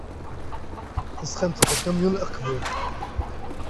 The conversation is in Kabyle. Tesɣamt-d akamyun aqbur.